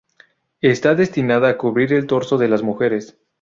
Está destinada a cubrir el torso de las mujeres.